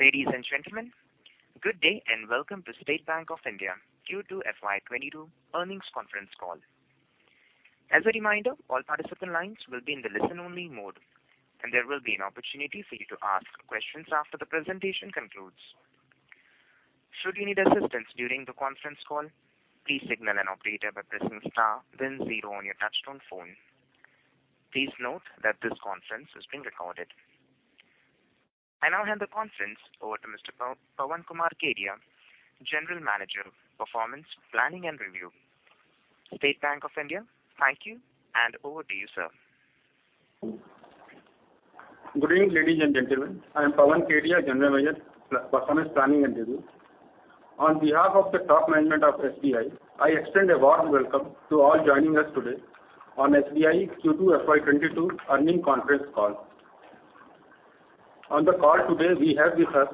Ladies and gentlemen, good day and welcome to State Bank of India Q2 FY 2022 Earnings Conference Call. As a reminder, all participant lines will be in the listen-only mode, and there will be an opportunity for you to ask questions after the presentation concludes. Should you need assistance during the conference call, please signal an operator by pressing star then zero on your touchtone phone. Please note that this conference is being recorded. I now hand the conference over to Mr. Pawan Kumar Kedia, General Manager of Performance, Planning, and Review, State Bank of India. Thank you, and over to you, sir. Good evening, ladies and gentlemen. I am Pawan Kedia, General Manager, Performance Planning and Review. On behalf of the top management of SBI, I extend a warm welcome to all joining us today on SBI Q2 FY 2022 Earnings Conference Call. On the call today, we have with us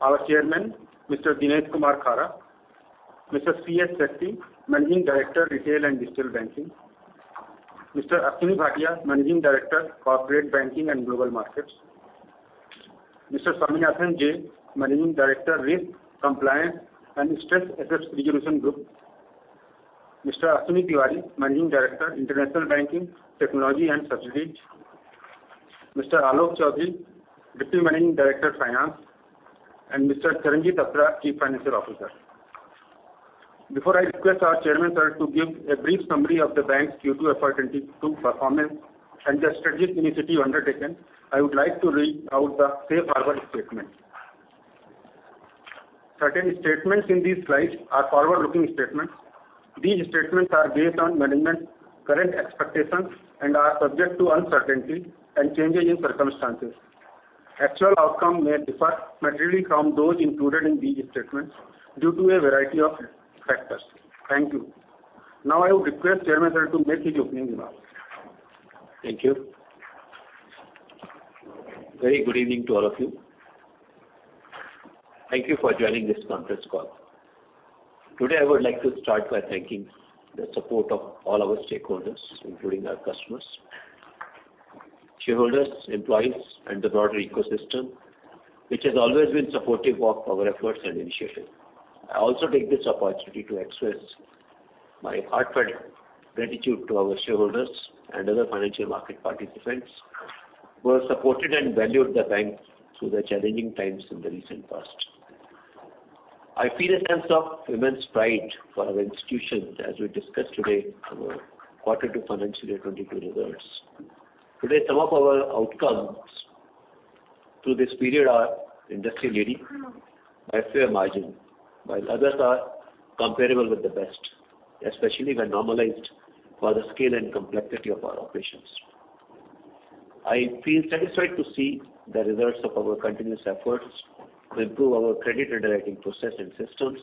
our Chairman, Mr. Dinesh Kumar Khara, Mr. C.S. Setty, Managing Director, Retail and Digital Banking, Mr. Ashwani Bhatia, Managing Director, Corporate Banking and Global Markets, Mr. Swaminathan J, Managing Director, Risk, Compliance and Stressed Assets Resolution Group, Mr. Ashwini Kumar Tewari, Managing Director, International Banking, Technology and Subsidiaries, Mr. Alok Kumar Choudhary, Deputy Managing Director, Finance, and Mr. Charanjit Singh Attra, Chief Financial Officer. Before I request our Chairman, sir, to give a brief summary of the bank's Q2 FY 2022 performance and the strategic initiatives undertaken, I would like to read out the safe harbor statement. Certain statements in these slides are forward-looking statements. These statements are based on management's current expectations and are subject to uncertainty and changes in circumstances. Actual outcome may differ materially from those included in these statements due to a variety of factors. Thank you. Now I would request Chairman sir to make his opening remarks. Thank you. Very good evening to all of you. Thank you for joining this conference call. Today, I would like to start by thanking the support of all our stakeholders, including our customers, shareholders, employees, and the broader ecosystem, which has always been supportive of our efforts and initiatives. I also take this opportunity to express my heartfelt gratitude to our shareholders and other financial market participants who have supported and valued the bank through the challenging times in the recent past. I feel a sense of immense pride for our institution as we discuss today our Q2 financial year 2022 results. Today, some of our outcomes through this period are industry-leading by a fair margin, while others are comparable with the best, especially when normalized for the scale and complexity of our operations. I feel satisfied to see the results of our continuous efforts to improve our credit underwriting process and systems,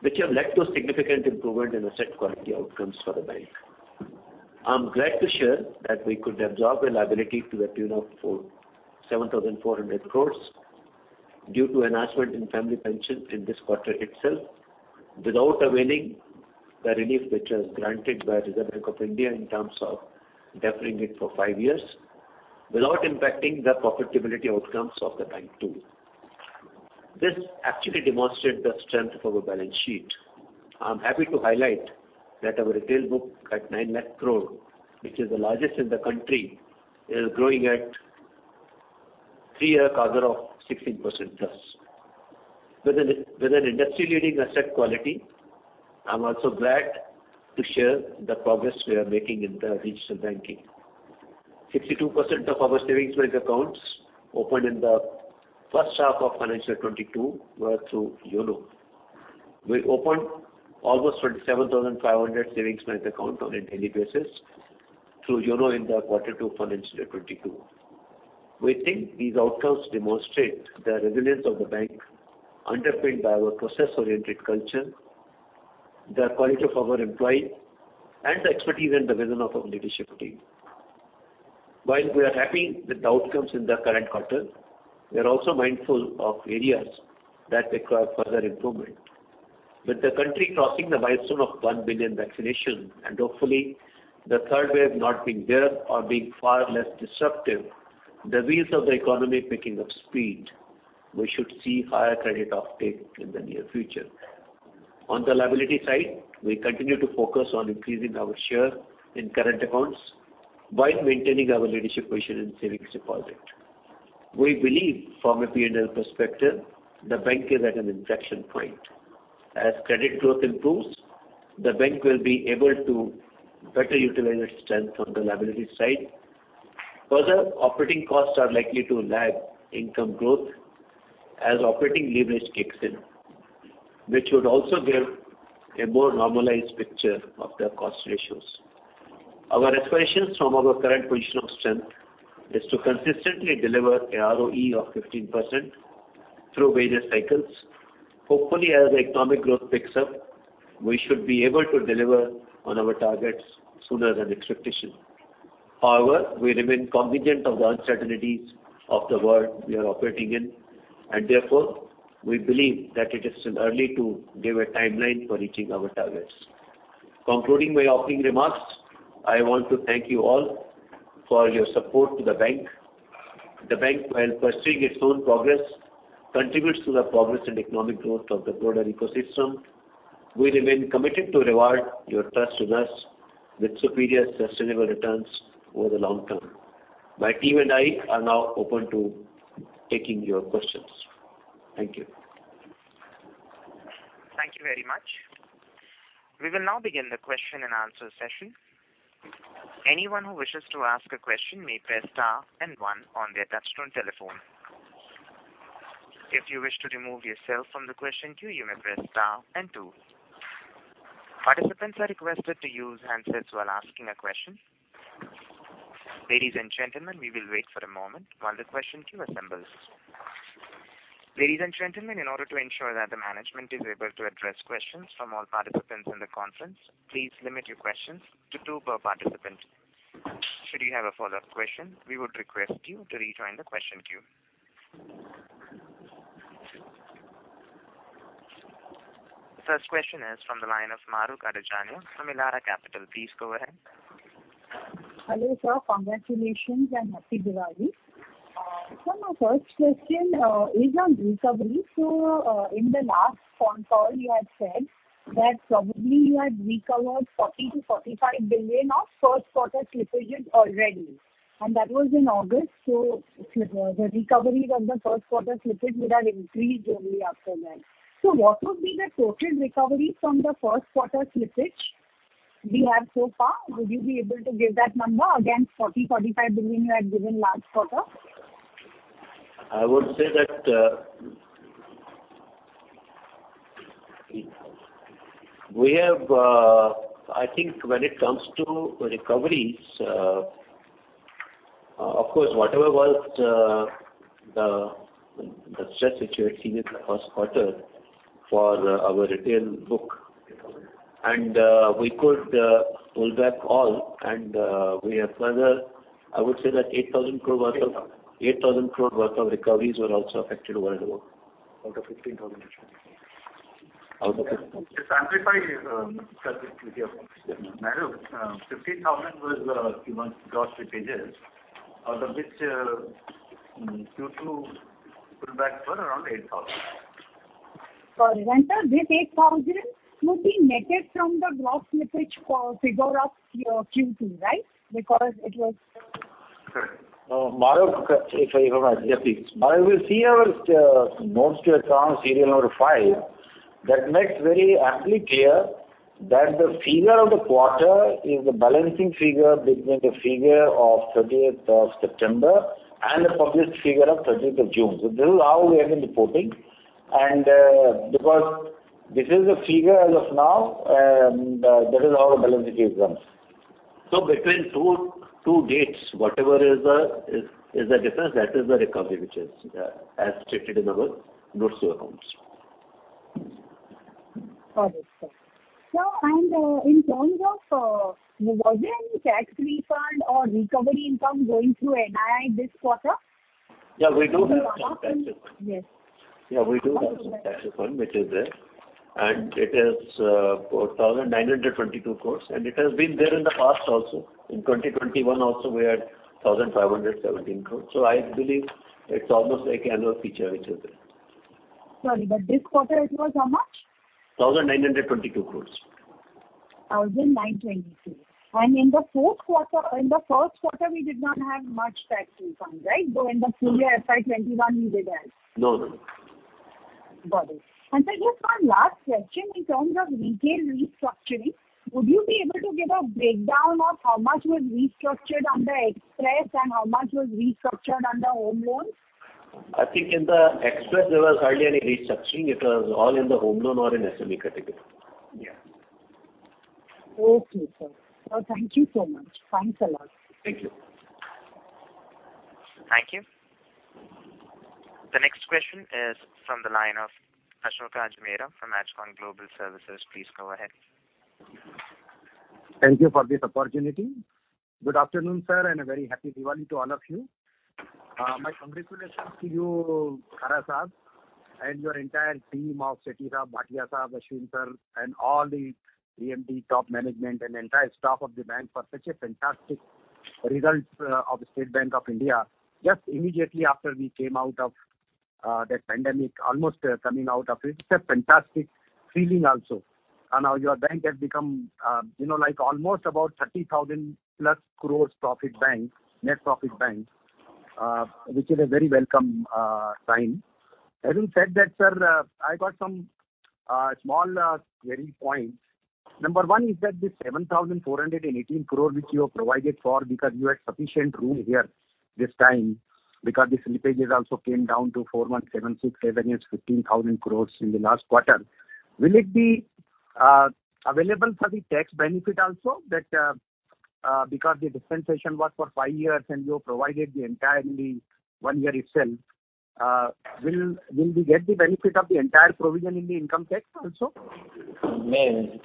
which have led to a significant improvement in asset quality outcomes for the bank. I'm glad to share that we could absorb a liability to the tune of 7,400 crore due to enhancement in family pension in this quarter itself without availing the relief which was granted by Reserve Bank of India in terms of deferring it for 5 years without impacting the profitability outcomes of the bank too. This actually demonstrates the strength of our balance sheet. I'm happy to highlight that our retail book at 9 lakh crore, which is the largest in the country, is growing at 3-year CAGR of 16%+. With an industry-leading asset quality, I'm also glad to share the progress we are making in the digital banking. 62%, of our savings bank accounts opened in the first half of FY 2022 were through Yono. We opened almost 37,500 savings bank accounts on a daily basis through Yono in Q2 FY 2022. We think these outcomes demonstrate the resilience of the bank underpinned by our process-oriented culture, the quality of our employees, and the expertise and the vision of our leadership team. While we are happy with the outcomes in the current quarter, we are also mindful of areas that require further improvement. With the country crossing the milestone of 1 billion vaccinations and hopefully the third wave not being there or being far less disruptive, the wheels of the economy picking up speed, we should see higher credit uptake in the near future. On the liability side, we continue to focus on increasing our share in current accounts while maintaining our leadership position in savings deposit. We believe from a P&L perspective, the bank is at an inflection point. As credit growth improves, the bank will be able to better utilize its strength on the liability side. Further, operating costs are likely to lag income growth as operating leverage kicks in, which would also give a more normalized picture of the cost ratios. Our aspirations from our current position of strength is to consistently deliver a ROE of 15%, through various cycles. Hopefully, as the economic growth picks up, we should be able to deliver on our targets sooner than expectation. However, we remain cognizant of the uncertainties of the world we are operating in, and therefore, we believe that it is still early to give a timeline for reaching our targets. Concluding my opening remarks, I want to thank you all for your support to the bank. The bank, while pursuing its own progress, contributes to the progress and economic growth of the broader ecosystem. We remain committed to reward your trust in us with superior sustainable returns over the long term. My team and I are now open to taking your questions. Thank you. Thank you very much. We will now begin the question and answer session. Anyone who wishes to ask a question may press star and one on their touch-tone telephone. If you wish to remove yourself from the question queue, you may press star and two. Participants are requested to use handsets while asking a question. Ladies and gentlemen, we will wait for a moment while the question queue assembles. Ladies and gentlemen, in order to ensure that the management is able to address questions from all participants in the conference, please limit your questions to two per participant. Should you have a follow-up question, we would request you to rejoin the question queue. First question is from the line of Mahrukh Adajania from Elara Capital. Please go ahead. Hello, sir. Congratulations and Happy Diwali. Sir, my first question is on recovery. In the last phone call, you had said that probably you had recovered 40 billion-45 billion of first quarter slippages already, and that was in August. The recoveries of the first quarter slippage would have increased only after that. What would be the total recovery from the first quarter slippage we have so far? Would you be able to give that number against 40 billion-45 billion you had given last quarter? I would say that we have. I think when it comes to recoveries, of course, whatever was the stress which we had seen in the first quarter for our retail book, and we could pull back all and we have further. I would say that 8,000 crore worth of recoveries were also affected overall. Out of 15,000 crore actually. Just amplify, sir, this figure. Marhukh, 15,000 crore was given gross slippages, out of which due to pullbacks were around 8,000 crore. Sorry, Renta, this 8,000 should be netted from the gross slippage figure of Q2, right? Because it was- Mahrukh, if I may, please. Mahrukh, you see our notes to accounts, serial number 5, that makes very amply clear that the figure of the quarter is the balancing figure between the figure of thirtieth of September and the published figure of thirtieth of June. This is how we have been reporting and because this is the figure as of now, and that is how the balancing is done. Between two dates, whatever is the difference, that is the recovery which is as stated in our notes to accounts. Got it, sir. Sir, in terms of, was there any tax refund or recovery income going through NII this quarter? Yeah, we do have some tax refund. Yes. Yeah, we do have some tax refund, which is there, and it is 4,922 crore, and it has been there in the past also. In 2021 also we had 1,517 crore. I believe it's almost an annual feature which is there. Sorry, but this quarter it was how much? Thousand nine hundred and twenty-two crores. 1,922. In the fourth quarter. In the first quarter, we did not have much tax refunds, right? In the full year FY 2021 we did have. No, no. Got it. Sir, just one last question. In terms of retail restructuring, would you be able to give a breakdown of how much was restructured under Xpress and how much was restructured under home loans? I think in the Xpress there was hardly any restructuring. It was all in the home loan or in SME category. Yeah. Okay, sir. Sir, thank you so much. Thanks a lot. Thank you. Thank you. The next question is from the line of Ashok Ajmera from Ajcon Global Services. Please go ahead. Thank you for this opportunity. Good afternoon, sir, and a very Happy Diwali to all of you. My congratulations to you, Khara Saab, and your entire team of Setu Saab, Bhatia Saab, Ashwin sir, and all the EMT top management and entire staff of the bank for such a fantastic results of State Bank of India. Just immediately after we came out of that pandemic, almost coming out of it. It's a fantastic feeling also. Now your bank has become, you know, like almost about 30,000+ crore profit bank, net profit bank, which is a very welcome sign. Having said that, sir, I got some small query points. Number one is that the 7,418 crore which you have provided for because you had sufficient room here this time, because the slippages also came down to 4,176.7 crore against 15,000 crore in the last quarter. Will it be available for the tax benefit also that, because the dispensation was for five years and you have provided the entire one year itself. Will we get the benefit of the entire provision in the income tax also? May I?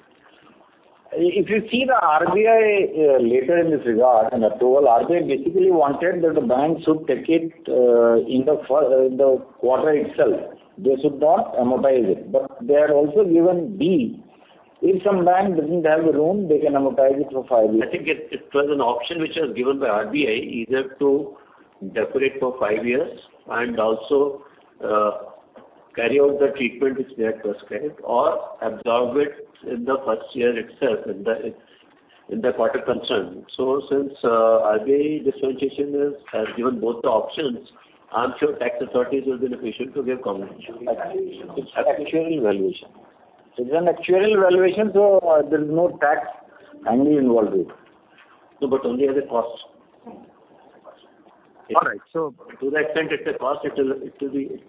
If you see the RBI letter in this regard and approval, RBI basically wanted that the bank should take it in the quarter itself. They should not amortize it. They had also given B If some bank doesn't have the room, they can amortize it for five years. I think it was an option which was given by RBI either to depreciate for five years and also carry out the treatment which they have prescribed or absorb it in the first year itself in the quarter concerned. Since RBI dispensation has given both the options, I'm sure tax authorities will be sufficient to give comment. It's an actuarial valuation, so there's no tax annually involved with. No, but only as a cost. All right. To the extent it's a cost, it will be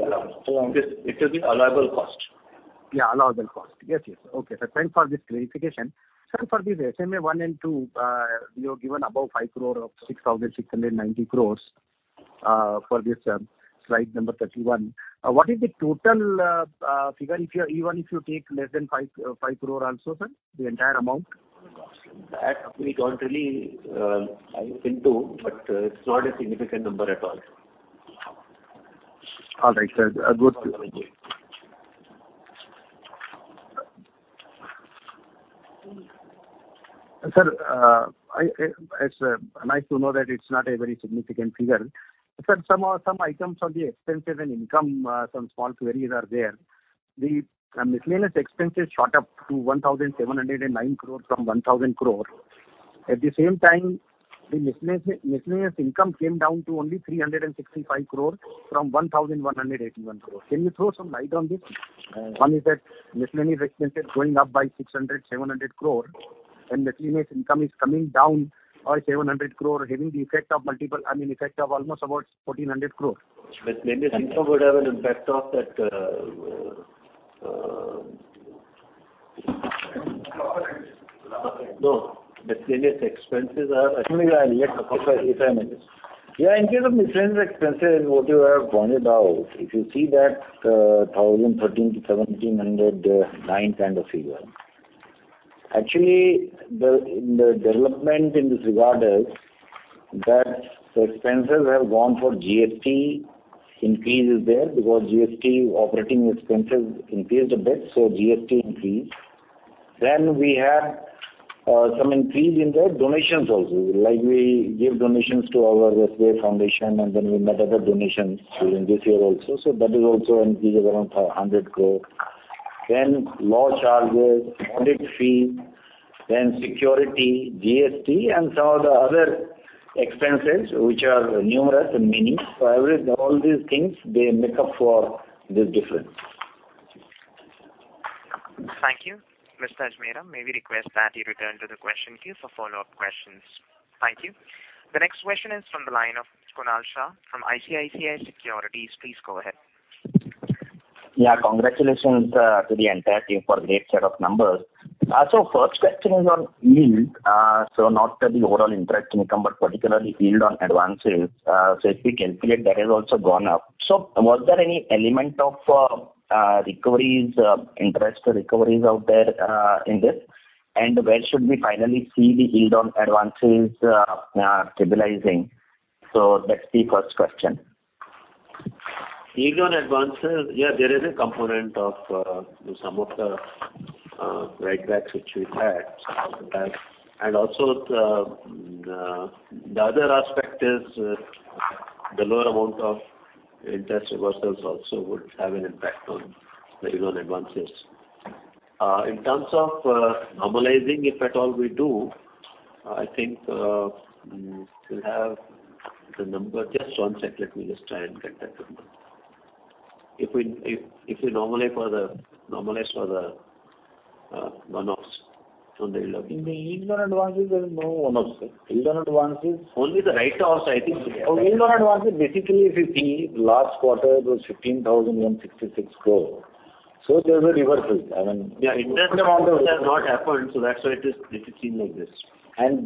allowed. It will be allowable cost. Yeah, allowable cost. Yes, yes. Okay, sir. Thanks for this clarification. Sir, for this SMA one and two, you have given above 5 crore of 6,690 crores, for this, slide number 31. What is the total figure if you even if you take less than 5 crore also, sir, the entire amount? That we don't really. I will think too, but it's not a significant number at all. All right, sir. Good. Sir, it's nice to know that it's not a very significant figure. Sir, some items on the expenses and income, some small queries are there. The miscellaneous expenses shot up to 1,709 crore from 1,000 crore. At the same time, the miscellaneous income came down to only 365 crore from 1,181 crore. Can you throw some light on this? One is that miscellaneous expenses going up by 600-700 crore and miscellaneous income is coming down by 700 crore, having the effect of, I mean, effect of almost about 1,400 crore. Miscellaneous expenses are actually. In case of miscellaneous expenses, what you have pointed out, if you see that, 1,013-1,709 kind of figure. Actually, the development in this regard is that the expenses have gone up. GST increase is there because GST on operating expenses increased a bit, so GST increased. Then we had some increase in the donations also. Like we give donations to our SBI Foundation, and then we made other donations during this year also. That is also an increase of around 100 crore. Then law charges, audit fee, then security, GST and some of the other expenses which are numerous and many. On average all these things they make up for this difference. Thank you. Mr. Ajmera, may we request that you return to the question queue for follow-up questions. Thank you. The next question is from the line of Kunal Shah from ICICI Securities. Please go ahead. Yeah. Congratulations to the entire team for a great set of numbers. First question is on yield, not the overall interest income, but particularly yield on advances, if we calculate that has also gone up. Was there any element of recoveries, interest recoveries out there in this? And where should we finally see the yield on advances stabilizing? That's the first question. Yield on advances. Yeah, there is a component of some of the write-backs which we had. Some of that. The other aspect is the lower amount of interest reversals also would have an impact on the yield on advances. In terms of normalizing, if at all we do, I think we have the number. Just one sec. Let me just try and get that number. If we normalize for the one-offs on the yield- In the yield on advances there is no one-offs, sir. Yield on advances Only the write-offs I think. yield on advances basically if you see last quarter it was 15,066 crore. There was a reversal. I mean. Yeah. Interest amount which has not happened, so that's why it is seen like this.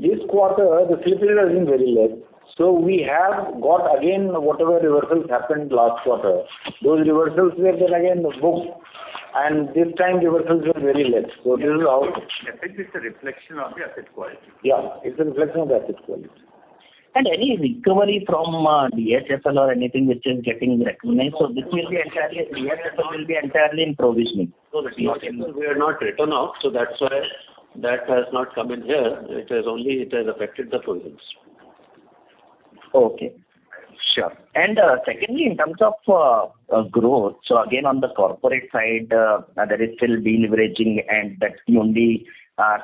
This quarter the slippage has been very less. We have got again whatever reversals happened last quarter. Those reversals were then again booked and this time reversals were very less. This is how. Effect is a reflection of the asset quality. Yeah, it's a reflection of the asset quality. any recovery from DHFL or anything which is getting recognized so this will be entirely- DHFL will be entirely in provisioning. We have not written off so that's why that has not come in here. It has only affected the provisions. Okay. Sure. Secondly, in terms of growth, again on the corporate side, there is still de-leveraging and that's the only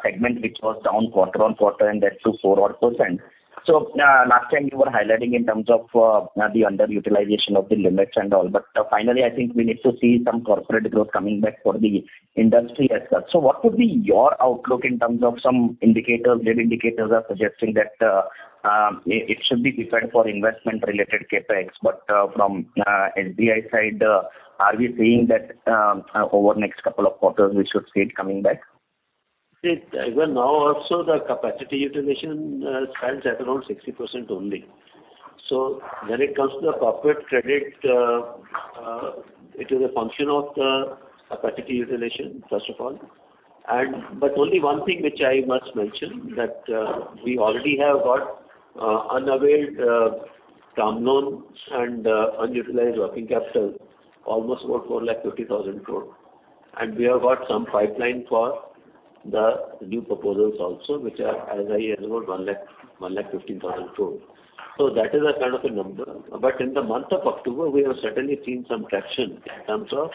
segment which was down quarter-on-quarter and that too 4-odd%. Last time you were highlighting in terms of the underutilization of the limits and all, but finally I think we need to see some corporate growth coming back for the industry as such. What would be your outlook in terms of some indicators? Lead indicators are suggesting that it should be different for investment-related CapEx, but from SBI side, are we saying that over next couple of quarters we should see it coming back? Even now also the capacity utilization stands at around 60% only. When it comes to the corporate credit, it is a function of the capacity utilization first of all. But only one thing which I must mention that we already have got unavailed facilities. Term loans and unutilized working capital almost about 450,000 crore. We have got some pipeline for the new proposals also, which are as high as about one lakh fifty thousand crore. That is a kind of a number. In the month of October, we have certainly seen some traction in terms of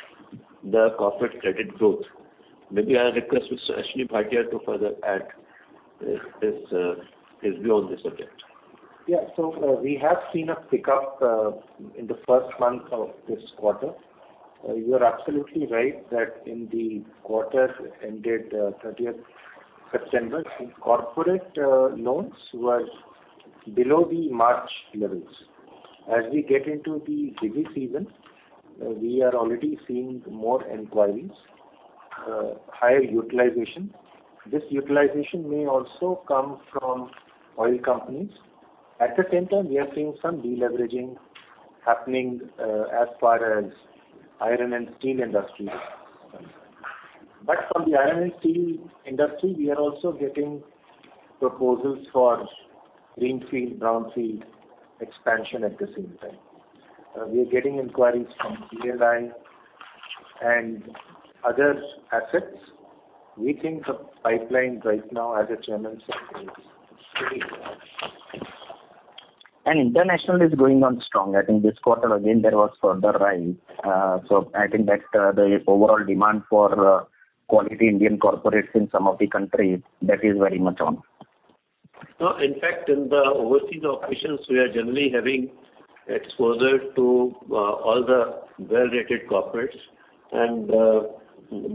the corporate credit growth. Maybe I'll request Mr. Ashwani Bhatia to further add his view on this subject. We have seen a pickup in the first month of this quarter. You are absolutely right that in the quarter ended 30 September, corporate loans were below the March levels. As we get into the busy season, we are already seeing more inquiries, higher utilization. This utilization may also come from oil companies. At the same time, we are seeing some deleveraging happening as far as iron and steel industry is concerned. From the iron and steel industry, we are also getting proposals for greenfield, brownfield expansion at the same time. We are getting inquiries from CLN and other assets. We think the pipeline right now, as the chairman said, is pretty good. International is going on strong. I think this quarter again there was further rise. I think that the overall demand for quality Indian corporates in some of the countries, that is very much on. No, in fact, in the overseas operations, we are generally having exposure to all the well-rated corporates and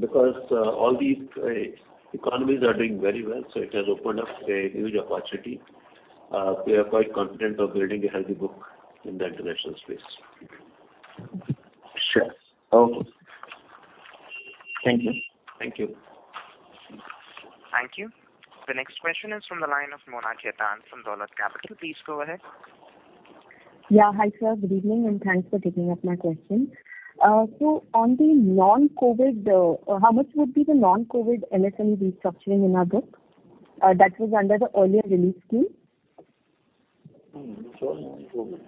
because all these economies are doing very well, so it has opened up a huge opportunity. We are quite confident of building a healthy book in the international space. Sure. Okay. Thank you. Thank you. Thank you. The next question is from the line of Mona Khetan from Dolat Capital. Please go ahead. Yeah. Hi, sir. Good evening, and thanks for taking up my question. On the non-COVID, how much would be the non-COVID MSME restructuring in our book that was under the earlier release scheme? Total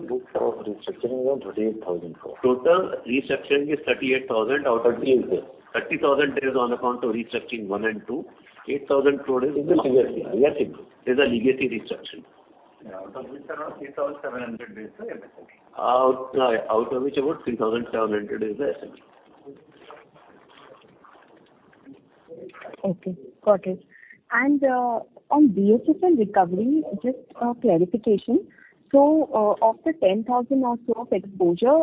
book of restructuring was INR 38,000 crore. Total restructuring is INR 38,000. INR 30,000 there is on account of restructuring one and two. INR 8,000 crore is the legacy. Yes. It is a legacy restructuring. Yeah. Out of which around INR 3,700 is the SME. Okay. Got it. On DHFL recovery, just a clarification. Of the 10,000 or so of exposure,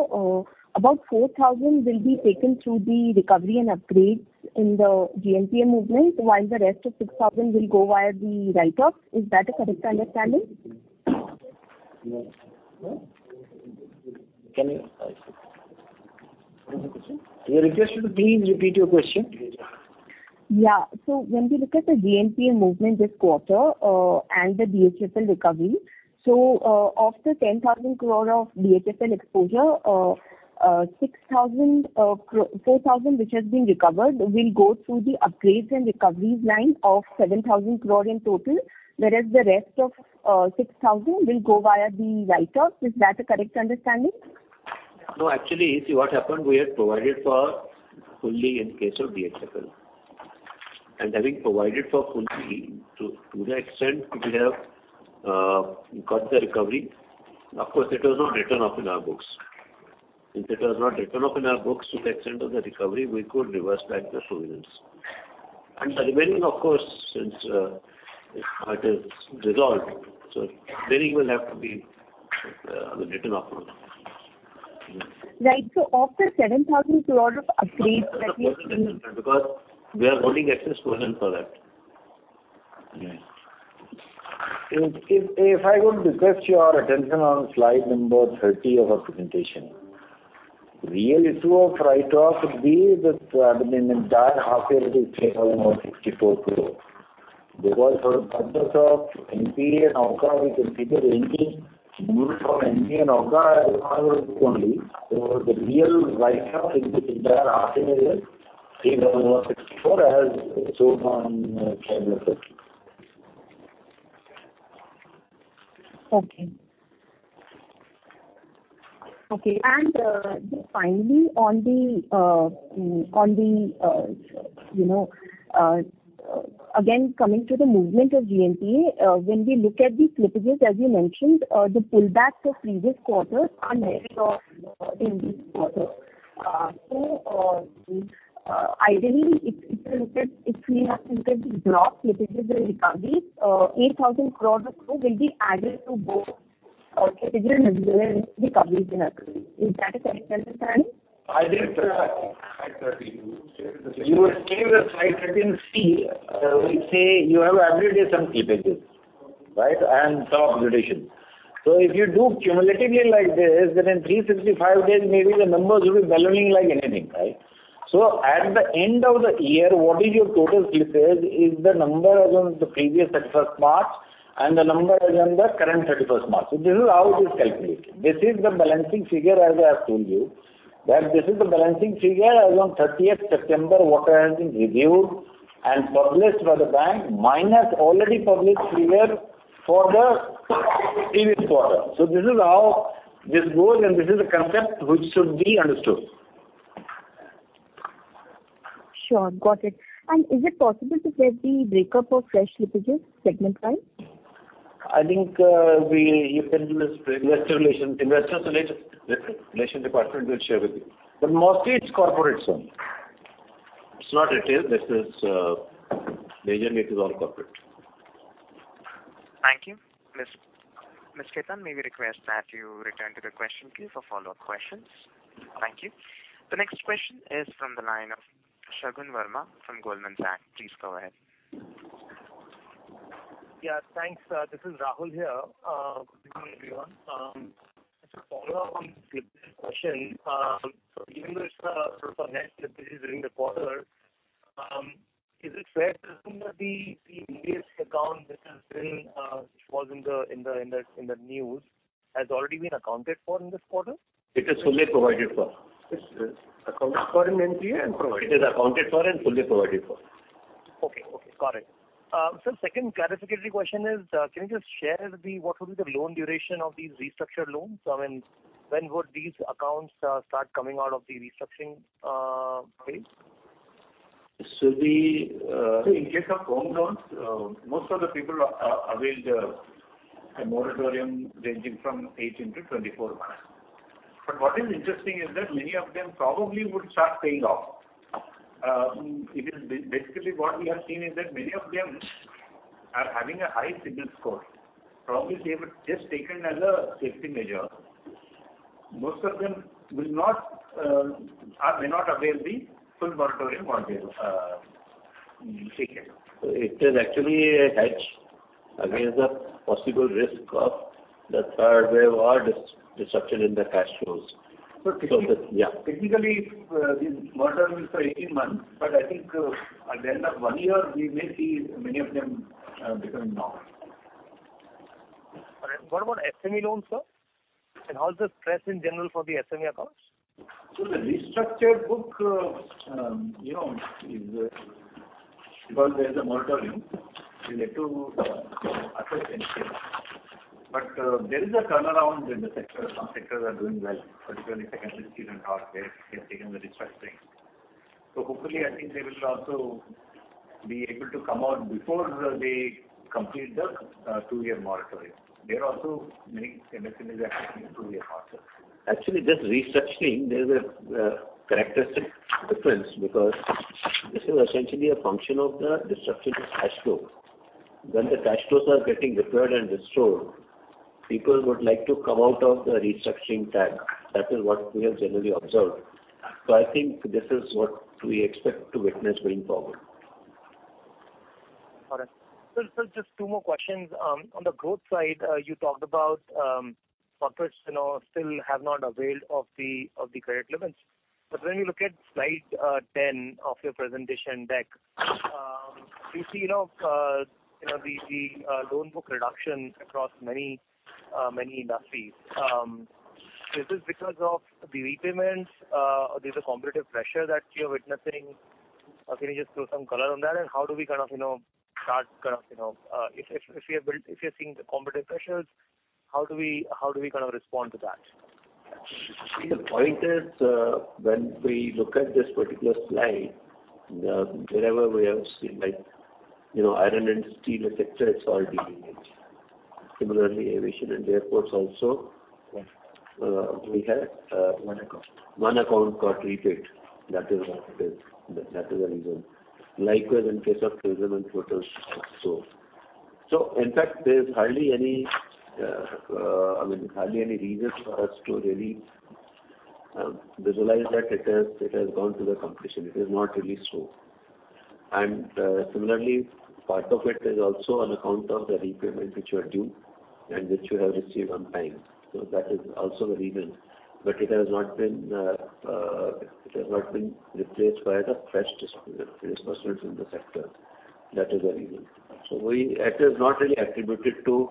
about 4,000 will be taken through the recovery and upgrades in the GNPA movement, while the rest of 6,000 will go via the write-offs. Is that a correct understanding? What is the question? We request you to please repeat your question. Yeah. When we look at the GNPA movement this quarter and the DHFL recovery, so of the 10,000 crore of DHFL exposure, 4,000 crore which has been recovered will go through the upgrades and recoveries line of 7,000 crore in total, whereas the rest of 6,000 crore will go via the write-off. Is that a correct understanding? No, actually, see what happened, we had provided for fully in case of DHFL. Having provided for fully to the extent we have got the recovery. Of course, it was not written off in our books. If it was not written off in our books to the extent of the recovery, we could reverse back the provisions. The remaining, of course, since it is dissolved, remaining will have to be written off now. Right. Of the 7,000 crore of upgrades that we see. We are only getting exposure for that. Yes. If I would request your attention on slide number 30 of our presentation. Real issue of write-off will be that in entire half year it is 3,064 crore. Because for the purpose of NPA, we consider anything moved from NPA as our book only. The real write-off in the entire half year is INR 3,064 as shown on slide number 30. Okay. Finally, on the you know, again, coming to the movement of GNPA, when we look at the slippages, as you mentioned, the pullbacks of previous quarters are not in this quarter. Ideally, if we have to look at the bulk slippages and recoveries, INR 8,000 crore or so will be added to both slippages and recoveries in our book. Is that a correct understanding? I think, you will see the slide 13C, which say you have every day some slippages, right? Some upgradation. If you do cumulatively like this, then in 365 days maybe the numbers will be ballooning like anything, right? At the end of the year, what is your total slippage is the number as on the previous thirty-first March and the number as on the current thirty-first March. This is how it is calculated. This is the balancing figure, as I have told you. That this is the balancing figure as on 30th September, what has been reviewed and published by the bank minus already published figure for the previous quarter. This is how this goes, and this is the concept which should be understood. Sure. Got it. Is it possible to get the break-up of fresh slippages segment-wise? I think you can list Investor Relations. Investor Relations Department will share with you. Mostly it's corporate, sir. It's not retail. This is, majorly it is all corporate. Thank you. Mona Khetan, may we request that you return to the question queue for follow-up questions. Thank you. The next question is from the line of Shagun Verma from Goldman Sachs. Please go ahead. Yeah, thanks. This is Rahul here. Good evening, everyone. Just a follow-up on question. So even though it's sort of a net slippage during the quarter, is it fair to assume that the accounts that has been, which was in the news has already been accounted for in this quarter? It is fully provided for. It's accounted for in NPA and provided for. It is accounted for and fully provided for. Okay. Got it. Sir, second clarificatory question is, can you just share the, what would be the loan duration of these restructured loans? I mean, when would these accounts start coming out of the restructuring phase? So the, uh... In case of home loans, most of the people avail the moratorium ranging from 18-24 months. What is interesting is that many of them probably would start paying off. It is basically what we have seen is that many of them are having a high CIBIL score. Probably they have just taken as a safety measure. Most of them will not or may not avail the full moratorium on their taken. It is actually a hedge against the possible risk of the third wave or disruption in the cash flows. Technically, the moratorium is for 18 months, but I think, at the end of 1 year, we may see many of them, becoming normal. All right. What about SME loans, sir? How's the stress in general for the SME accounts? The restructured book, you know, is because there's a moratorium. We'll have to assess and see. There is a turnaround in the sector. Some sectors are doing well, particularly secondary steel and power. They have taken the restructuring. Hopefully, I think they will also be able to come out before they complete the two-year moratorium. There are also many MSMEs actually in two-year moratorium. Actually, this restructuring, there is a characteristic difference because this is essentially a function of the disruption in cash flow. When the cash flows are getting repaired and restored, people would like to come out of the restructuring tag. That is what we have generally observed. I think this is what we expect to witness going forward. All right. Sir, just two more questions. On the growth side, you talked about corporates, you know, still have not availed of the credit limits. When you look at slide ten of your presentation deck, we see, you know, the loan book reduction across many industries. Is this because of the repayments or there's a competitive pressure that you're witnessing? Or can you just throw some color on that? And how do we kind of start kind of? If you're seeing the competitive pressures, how do we kind of respond to that? See, the point is, when we look at this particular slide, wherever we have seen, like, you know, iron and steel sector, it's all deleveraged. Similarly, aviation and airports also, we had One account. One account got repaid. That is what it is. That is the reason. Likewise, in case of tourism and hotels also. In fact, there's hardly any, I mean, hardly any reason for us to really visualize that it has gone to the competition. It is not really so. Similarly, part of it is also on account of the repayment which were due and which we have received on time. That is also the reason. It has not been replaced by the fresh disbursements in the sector. That is the reason. It is not really attributed to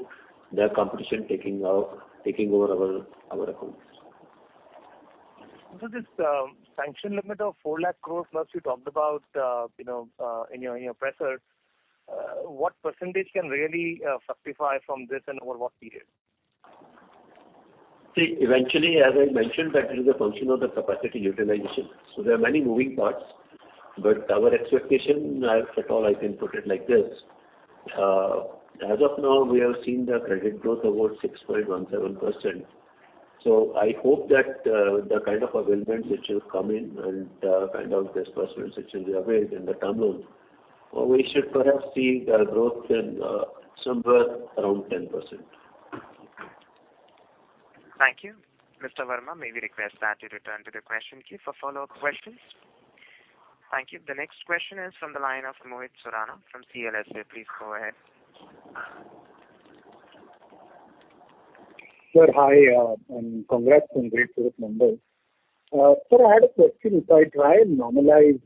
the competition taking over our accounts. This sanction limit of 4 lakh crore plus you talked about, you know, in your presser, what percentage can really certify from this and over what period? See, eventually, as I mentioned that it is a function of the capacity utilization. There are many moving parts, but our expectation, if at all I can put it like this, as of now, we have seen the credit growth about 6.17%. I hope that, the kind of availments which will come in and, kind of disbursements which will be availed in the term loans, we should perhaps see the growth in, somewhere around 10%. Thank you. Mr. Verma, may we request that you return to the question queue for follow-up questions. Thank you. The next question is from the line of Mohit Surana from CLSA. Please go ahead. Sir, hi, and congrats on great result numbers. Sir, I had a question. If I try and normalize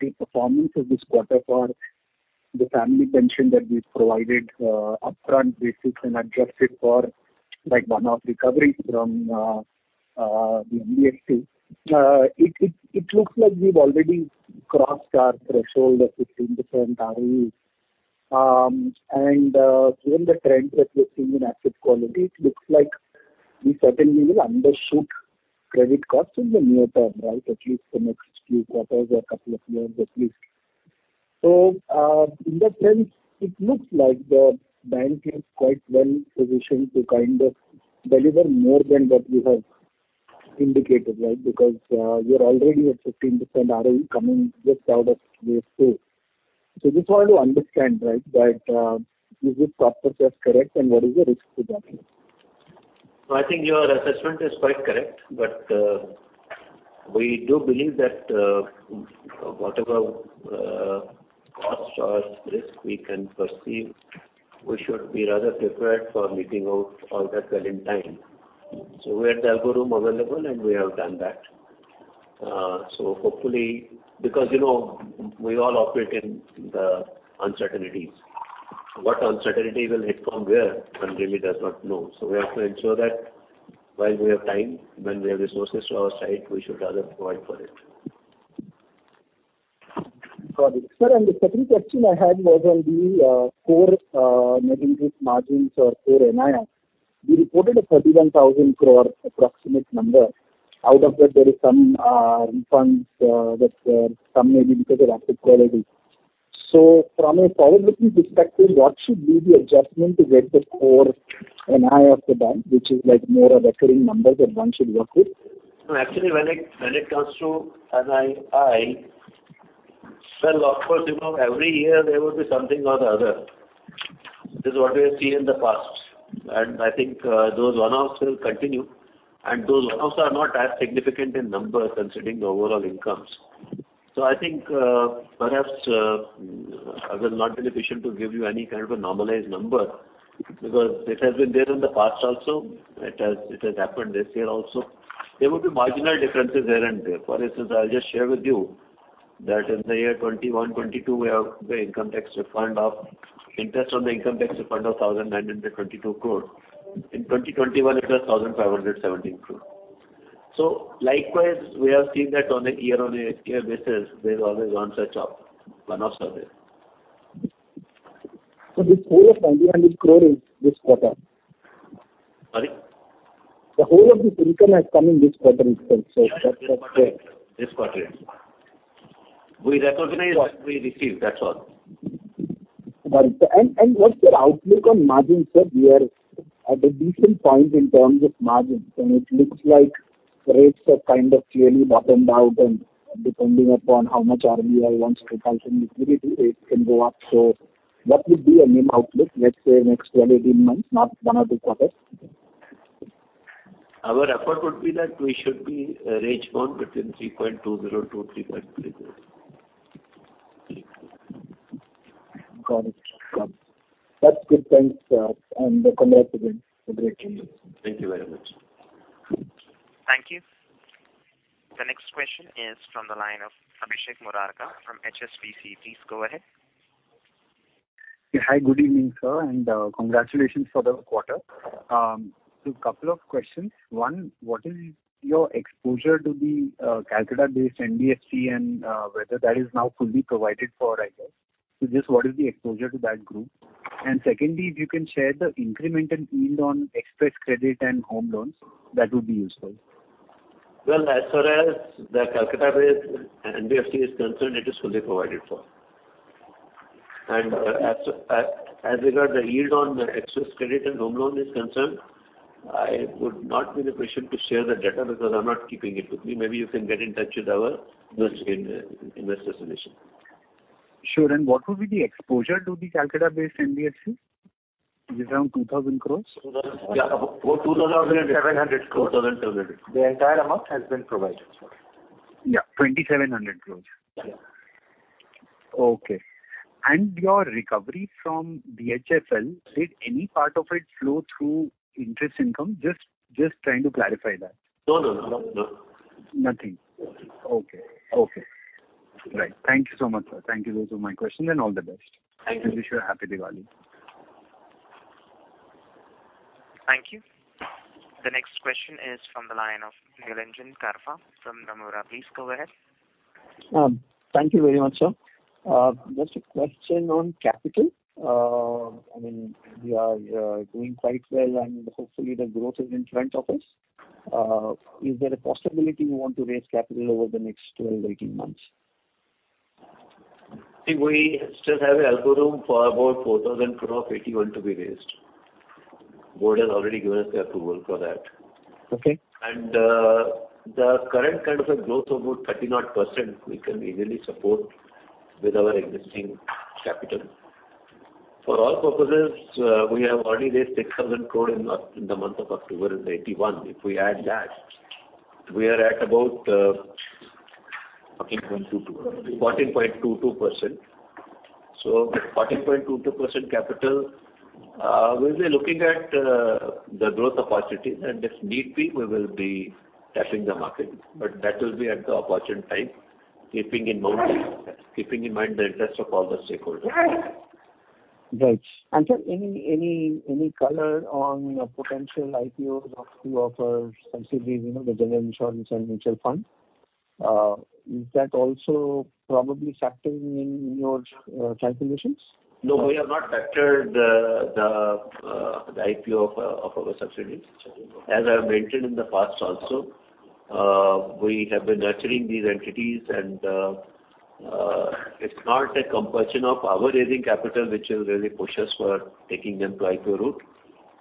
the performance of this quarter for The final provision that we've provided on an upfront basis and adjusted for like one-off recovery from the NBFC. It looks like we've already crossed our threshold of 15% ROE. Given the trends that we're seeing in asset quality, it looks like we certainly will undershoot credit costs in the near term, right? At least the next few quarters or couple of years at least. In that sense, it looks like the bank is quite well positioned to kind of deliver more than what we have indicated, right? Because we are already at 15%, ROE coming just out of Q2. Just want to understand, right, that is this process correct, and what is the risk to that? I think your assessment is quite correct, but we do believe that whatever costs or risk we can foresee, we should be rather prepared for meeting out all that well in time. We have the elbow room available, and we have done that. Hopefully, because you know, we all operate in the uncertainties. What uncertainty will hit from where, one really does not know. We have to ensure that while we have time, when we have resources to our side, we should rather provide for it. Got it. Sir, the second question I had was on the core net interest margins or core NII. You reported a 31,000 crore approximate number. Out of that there is some refunds that some maybe because of asset quality. From a forward-looking perspective, what should be the adjustment to get the core NII of the bank, which is like more a recurring number that one should work with? No, actually, when it comes to NII, well, of course, you know, every year there will be something or the other. This is what we have seen in the past. I think those one-offs will continue, and those one-offs are not as significant in number considering the overall incomes. I think perhaps I will not be in a position to give you any kind of a normalized number because it has been there in the past also. It has happened this year also. There will be marginal differences here and there. For instance, I'll just share with you that in the year 2021-22, we have the income tax refund of interest on the income tax refund of 1,922 crore. In 2021 it was 1,517 crore. Likewise, we have seen that on a year-on-year basis, there's always one such one-off sort of it. this whole of INR 91 crore is this quarter? Pardon? The whole of this income has come in this quarter itself, so. This quarter, yes. We recognize, we receive. That's all. Got it. What's your outlook on margins, sir? We are at a decent point in terms of margins, and it looks like rates have kind of clearly bottomed out, and depending upon how much RBI wants to tighten liquidity, it can go up. What would be a mean outlook, let's say next 12, 18 months, not 1 or 2 quarters? Our effort would be that we should be range bound between 3.20%-3.30%. Got it. That's good. Thanks, sir, and congratulations. Great results. Thank you very much. Thank you. The next question is from the line of Abhishek Murarka from HSBC. Please go ahead. Yeah. Hi, good evening, sir, and congratulations for the quarter. Just couple of questions. One, what is your exposure to the Calcutta-based NBFC and whether that is now fully provided for, I guess? Just what is the exposure to that group? And secondly, if you can share the incremental yield on Xpress Credit and home loans, that would be useful. Well, as far as the Calcutta-based NBFC is concerned, it is fully provided for. As regards the yield on the Xpress Credit and home loan is concerned, I would not be in a position to share the data because I'm not keeping it with me. Maybe you can get in touch with our investor relations. Sure. What would be the exposure to the Calcutta-based NBFC? Is it around 2,000 crore? Yeah. About 2,700 crore. 2,700. The entire amount has been provided for. Yeah, 2,700 crore. Yeah. Okay. Your recovery from DHFL, did any part of it flow through interest income? Just trying to clarify that. No. Nothing. Nothing. Okay. Okay. Yes. Right. Thank you so much, sir. Thank you. Those were my questions, and all the best. Thank you. Wish you a happy Diwali. Thank you. The next question is from the line of Nilanjan Karfa from Nomura. Please go ahead. Thank you very much, sir. Just a question on capital. I mean, we are doing quite well and hopefully the growth is in front of us. Is there a possibility you want to raise capital over the next 12-18 months? I think we still have an elbow room for about 4,000 crore of equity to be raised. Board has already given us the approval for that. Okay. The current kind of a growth of about 30%, we can easily support with our existing capital. For all purposes, we have already raised 6,000 crore in the month of October in the AT1. If we add that, we are at about 14.22%. So 14.22% capital. We'll be looking at the growth opportunities and if need be we will be testing the market. That will be at the opportune time, keeping in mind the interest of all the stakeholders. Right. Sir, any color on potential IPOs of two of our subsidiaries, you know, the general insurance and mutual fund? Is that also probably factored in your calculations? No, we have not factored the IPO of our subsidiaries. As I've mentioned in the past also, we have been nurturing these entities and it's not a compulsion of our raising capital which will really push us for taking them to IPO route.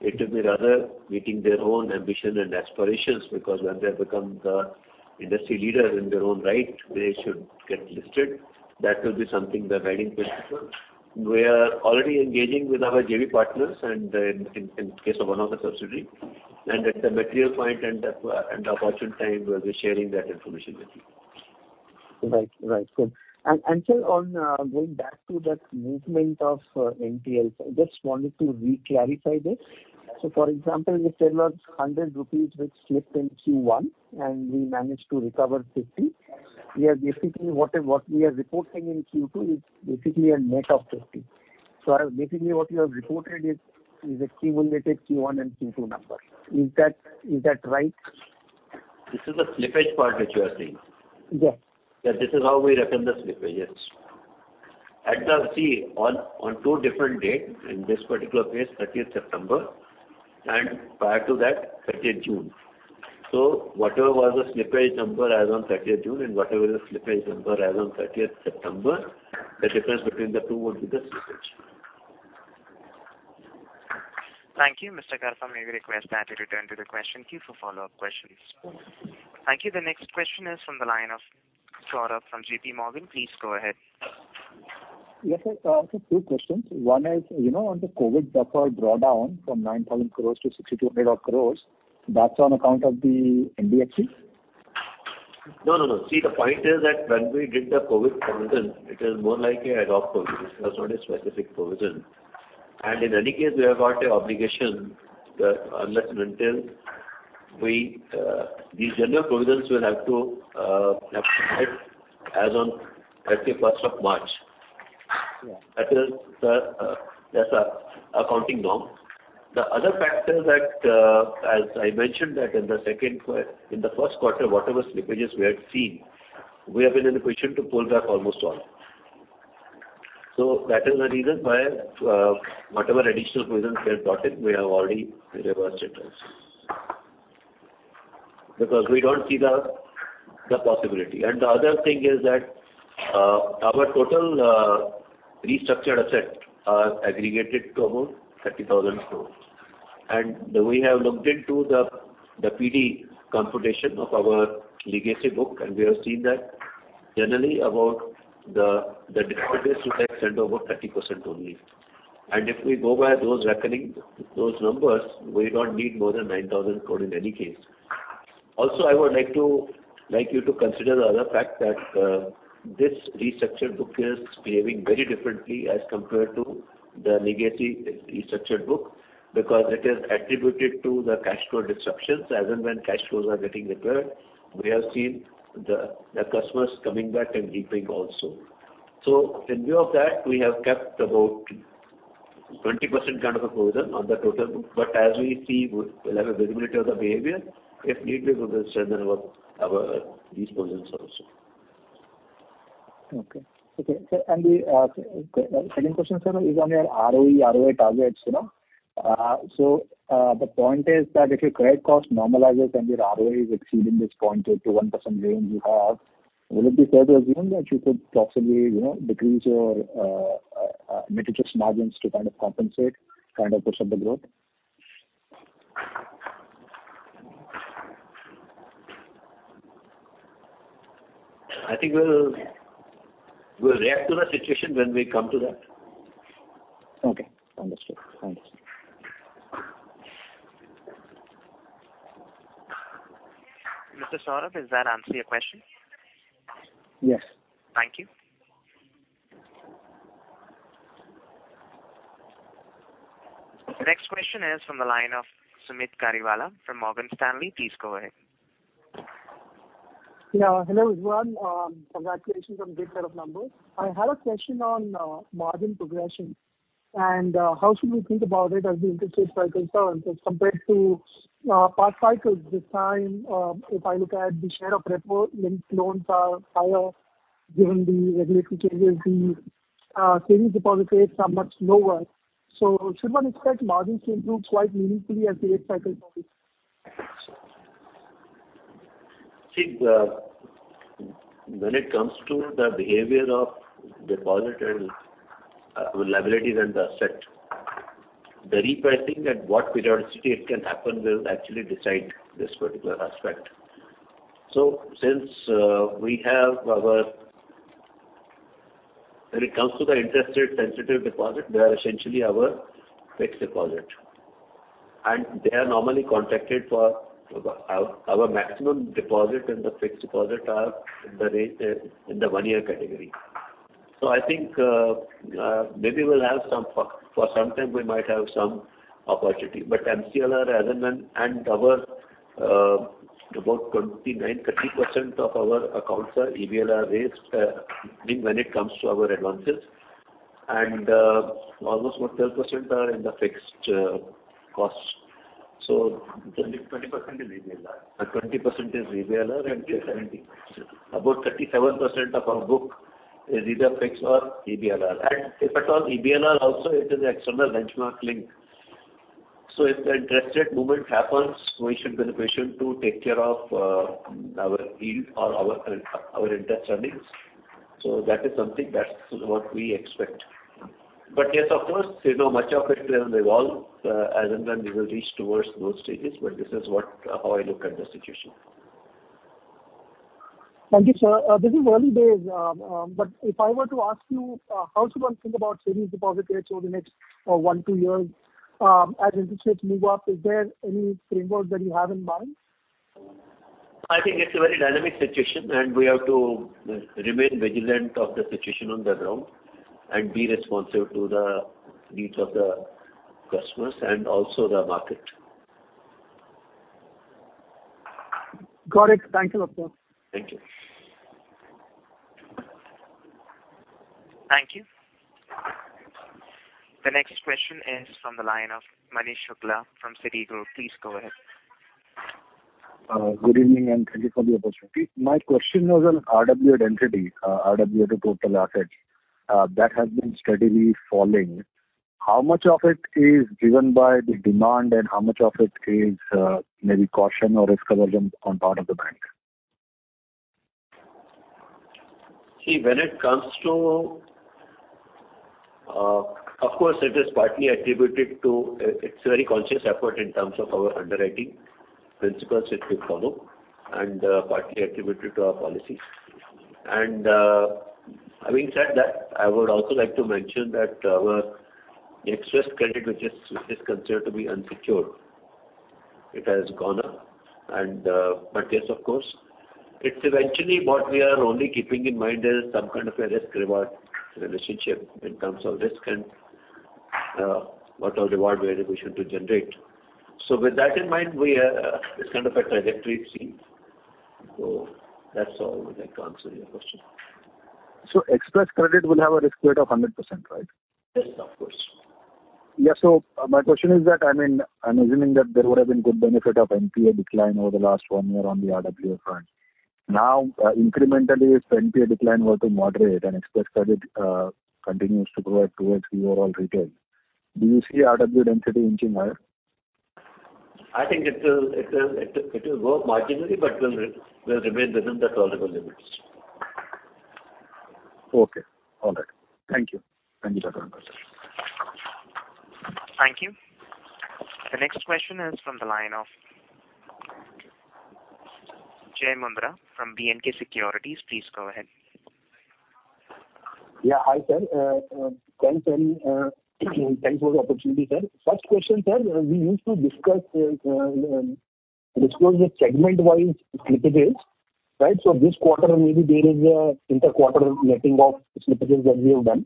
It will be rather meeting their own ambition and aspirations because when they become the industry leader in their own right, they should get listed. That will be something the guiding principle. We are already engaging with our JV partners and in case of one of the subsidiary and at the material point and the opportune time we'll be sharing that information with you. Right. Good. Sir, going back to that movement of NPA, I just wanted to reclarify this. For example, you said about 100 rupees which slipped in Q1 and we managed to recover 50. What we are reporting in Q2 is basically a net of 50. Basically what you have reported is a cumulative Q1 and Q2 number. Is that right? This is the slippage part which you are saying. Yes. This is how we reckon the slippage. Yes. See, on two different dates, in this particular case 30th September and prior to that, 30th June. Whatever was the slippage number as on 30th June and whatever is the slippage number as on 30th September, the difference between the two would be the slippage. Thank you. Mr. Karfa, may we request that you return to the question queue for follow-up questions. Thank you. The next question is from the line of Saurabh from J.P. Morgan. Please go ahead. Yes, sir. Two questions. One is, you know, on the COVID draw down from 9,000 crores to 6,200 crores, that's on account of the NBFC? No, no. See, the point is that when we did the COVID provision it is more like ad hoc provision. It was not a specific provision. In any case we have got a obligation that unless and until we, these general provisions will have to slide as on, let's say, first of March. Yeah. That is the that's an accounting norm. The other factor that as I mentioned that in the second quarter, in the first quarter, whatever slippages we had seen, we have been in a position to pull back almost all. That is the reason why whatever additional provisions we have brought in, we have already reversed it also. Because we don't see the possibility. The other thing is that our total restructured asset are aggregated to about 30,000 crore. We have looked into the PD computation of our legacy book and we have seen that generally about the default rates which went over 30% only. If we go by those reckoning, those numbers, we don't need more than 9,000 crore in any case. Also I would like to, like you to consider the other fact that this restructured book is behaving very differently as compared to the legacy restructured book because it is attributed to the cash flow disruptions. As and when cash flows are getting repaired, we have seen the customers coming back and repaying also. So in view of that, we have kept about 20%, kind of a provision on the total book. As we see we'll have a visibility of the behavior if need be we will strengthen our these provisions also. Sir, the second question, sir, is on your ROE, ROA targets, you know. The point is that if your credit cost normalizes and your ROA is exceeding this 0.2%-1% range you have, will it be fair to assume that you could possibly, you know, decrease your net interest margins to kind of compensate, kind of push up the growth? I think we'll react to the situation when we come to that. Okay. Understood. Mr. Saurabh, does that answer your question? Yes. Thank you. The next question is from the line of Sumeet Kariwala from Morgan Stanley. Please go ahead. Yeah. Hello everyone. Congratulations on the good set of numbers. I had a question on margin progression and how should we think about it as the interest rates cycle turns as compared to past cycles this time. If I look at the share of report linked loans are higher given the regulatory changes, the savings deposit rates are much lower. Should one expect margins to improve quite meaningfully as the rate cycle normalizes? See, when it comes to the behavior of deposit and liabilities and the asset, the repricing at what periodicity it can happen will actually decide this particular aspect. Since we have our. When it comes to the interest rate sensitive deposit, they are essentially our fixed deposit and they are normally contracted for our maximum deposit and the fixed deposit are in the range in the one year category. I think maybe we'll have some for some time we might have some opportunity, but MCLR as and when and our about 29-30%, of our accounts are EBLR based when it comes to our advances and almost about 12% are in the fixed costs. 20%, is EBLR. 20%, is EBLR. About 37%, of our book is either fixed or EBLR. If at all EBLR also it is external benchmark linked. If the interest rate movement happens, we should be in a position to take care of our yield or our interest earnings. That is something that's what we expect. Yes, of course, you know, much of it will evolve as and when we will reach towards those stages, but this is what, how I look at the situation. Thank you, sir. This is early days, but if I were to ask you, how should one think about savings deposit rates over the next one, two years, as interest rates move up, is there any framework that you have in mind? I think it's a very dynamic situation, and we have to remain vigilant of the situation on the ground and be responsive to the needs of the customers and also the market. Got it. Thank you, doctor. Thank you. Thank you. The next question is from the line of Manish Shukla from Citigroup. Please go ahead. Good evening, and thank you for the opportunity. My question was on RWA density, RWA to total assets, that has been steadily falling. How much of it is driven by the demand and how much of it is, maybe caution or risk aversion on the part of the bank? See, when it comes to, of course, it is partly attributed to, it's a very conscious effort in terms of our underwriting principles which we follow and partly attributed to our policies. Having said that, I would also like to mention that our Xpress Credit which is considered to be unsecured, it has gone up. Yes, of course, it's eventually what we are only keeping in mind is some kind of a risk reward relationship in terms of risk and what all reward we are in a position to generate. With that in mind, we are, it's kind of a trajectory seen. That's all I would like to answer your question. Xpress Credit will have a risk weight of 100%, right? Yes, of course. Yeah. My question is that, I mean, I'm assuming that there would have been good benefit of NPA decline over the last one year on the RWA front. Now, incrementally if NPA decline were to moderate and Xpress Credit continues to grow towards overall retail, do you see RWA density inching higher? I think it will grow marginally, but will remain within the tolerable limits. Okay. All right. Thank you. Thank you, Doctor. Thank you. The next question is from the line of Jai Mundhra from B&K Securities. Please go ahead. Yeah. Hi, sir. Thanks and thanks for the opportunity, sir. First question, sir. We used to discuss the segment-wise slippages, right? This quarter maybe there is an inter-quarter letting of slippages that we have done.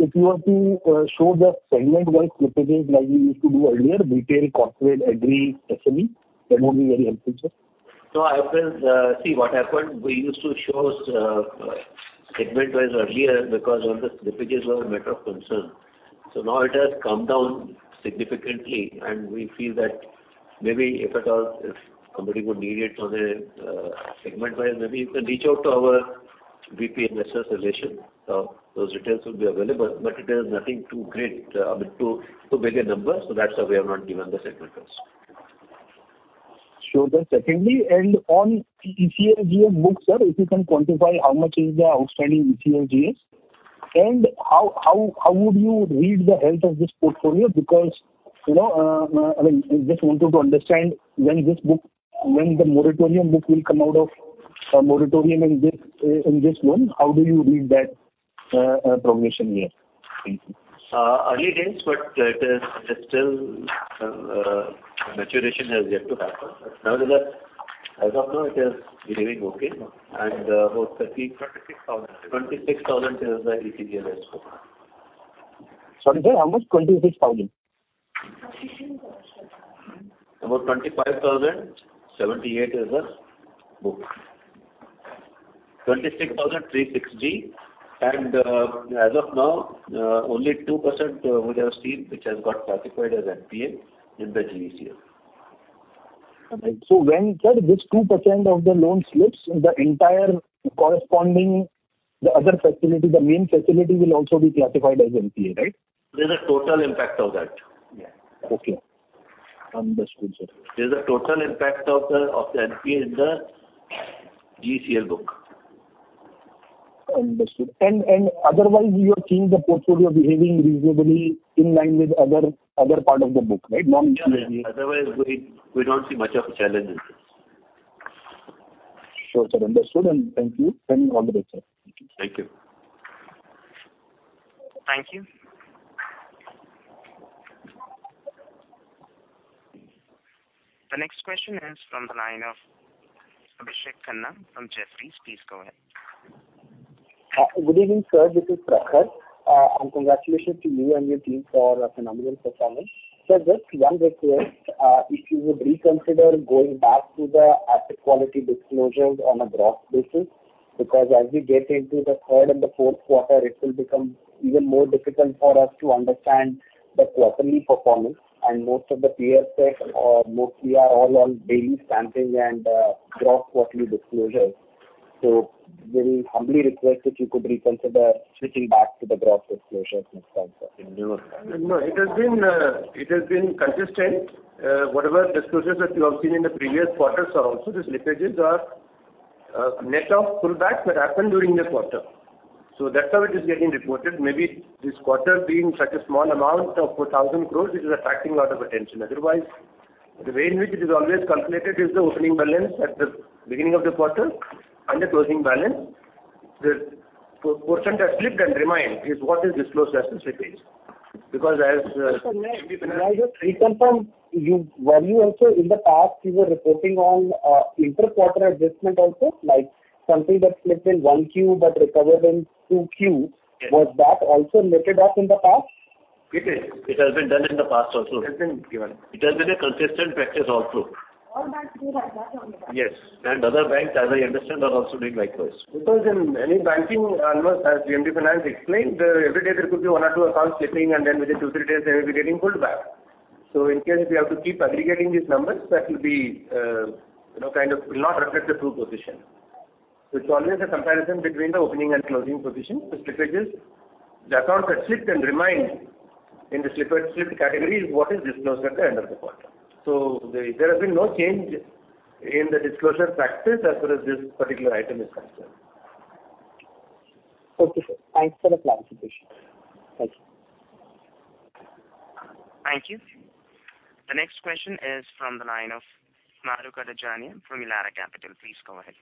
If you want to show the segment-wise slippages like we used to do earlier, retail, corporate, agri, SME, that would be very helpful, sir. No, I feel, see, what happened, we used to show segment wise earlier because all the slippages were a matter of concern. Now it has come down significantly, and we feel that maybe if at all if somebody would need it on a, segment wise maybe you can reach out to our VP investor relations. Those details will be available, but it is nothing too great, I mean, too big a number. That's why we have not given the segment wise. Sure. Secondly, on ECA, GA books, sir, if you can quantify how much is the outstanding ECA, GAs, and how would you read the health of this portfolio? Because, you know, I mean, just wanted to understand when the moratorium book will come out of moratorium in this month, how do you read that progression here? Thank you. Early days, but it is still maturation has yet to happen. Nevertheless, as of now it is behaving okay. About 30- 26,000. 26,000 is the GNPA's book. Sorry, sir. How much? 26,000. About 25,078 is the book. 26,360. As of now, only 2%, we have seen which has got classified as NPA in the ECLGS. when, sir, this 2%, of the loan slips, the entire corresponding, the other facility, the main facility will also be classified as NPA, right? There's a total impact of that. Yeah. Okay. Understood, sir. There's a total impact of the NPA in the ECLGS book. Understood. Otherwise you are seeing the portfolio behaving reasonably in line with other part of the book, right? Non-ECLGS. Yeah. Otherwise, we don't see much of a challenge in this. Sure, sir. Understood and thank you and all the best, sir. Thank you. Thank you. The next question is from the line of Prakhar Sharma from Jefferies. Please go ahead. Good evening, sir. This is Prakhar. Congratulations to you and your team for a phenomenal performance. Just one request, if you would reconsider going back to the asset quality disclosures on a gross basis because as we get into the third and the fourth quarter, it will become even more difficult for us to understand the quarterly performance and most of the peers, tech or mostly, are all on daily stamping and gross quarterly disclosures. We will humbly request if you could reconsider switching back to the gross disclosures next time, sir. No, it has been consistent. Whatever disclosures that you have seen in the previous quarters are also these slippages net of pullbacks that happened during the quarter. That's how it is getting reported. Maybe this quarter being such a small amount of 4,000 crore, it is attracting a lot of attention. Otherwise, the way in which it is always calculated is the opening balance at the beginning of the quarter and the closing balance. The portion that slipped and remained is what is disclosed as slippage because as Sir, may I just reconfirm you. Were you also in the past you were reporting on, inter quarter adjustment also like something that slipped in one Q but recovered in two Q? Yes. Was that also netted off in the past? It is. It has been done in the past also. It's been given. It has been a consistent practice also. All banks do that's on the back. Yes. Other banks, as I understand, are also doing likewise. Because in any banking almost as MD Finance explained, every day there could be one or two accounts slipping and then within two, three days they will be getting pulled back. In case if you have to keep aggregating these numbers that will be, you know, kind of will not reflect the true position. It's always a comparison between the opening and closing position. The slippage is the account that slipped and remained in the slipped category is what is disclosed at the end of the quarter. There has been no change in the disclosure practice as far as this particular item is concerned. Okay, sir. Thanks for the clarification. Thank you. Thank you. The next question is from the line of Mahrukh Adajania from Elara Capital. Please go ahead.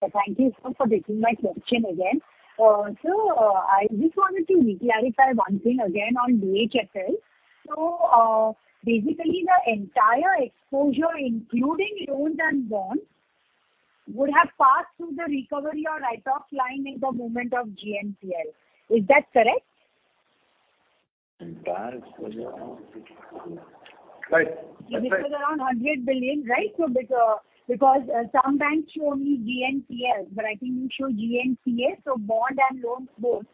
Thank you, sir, for taking my question again. I just wanted to re-clarify one thing again on DHFL. Basically the entire exposure including loans and bonds would have passed through the recovery or write-off line in the movement of GNPA. Is that correct? Entire exposure. Right. That's right. Which is around 100 billion, right? So because some banks show only GNPA, but I think you show GNCA, so bond and loans both.